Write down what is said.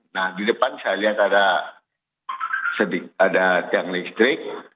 nah di depan saya lihat ada tiang listrik